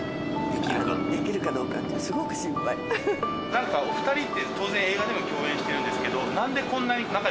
何かお２人って当然映画でも共演してるんですけど。